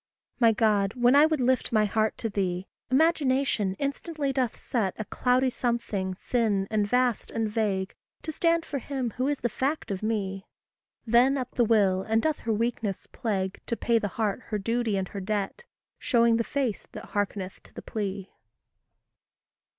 My God, when I would lift my heart to thee, Imagination instantly doth set A cloudy something, thin, and vast, and vague, To stand for him who is the fact of me; Then up the Will, and doth her weakness plague To pay the heart her duty and her debt, Showing the face that hearkeneth to the plea.